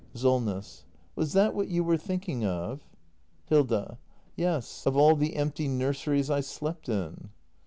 Solness. Was that what you were thinking of? Hilda. Yes, of all the empty nurseries I slept in.